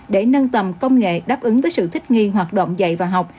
để nâng tầm công nghệ đáp ứng với sự thích nghi hoạt động dạy và học